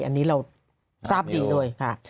อันนี้เราทราบดีเลยค่ะ